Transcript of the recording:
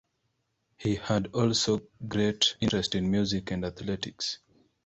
He had also great interest in music and athletics.